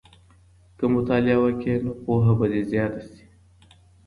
که مطالعه وکړې نو پوهه به دې زیاته سي.